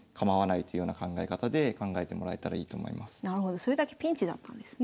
なるほどそれだけピンチだったんですね。